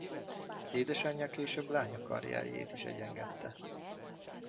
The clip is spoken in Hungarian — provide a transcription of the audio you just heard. Édesanyja később lánya karrierjét is egyengette.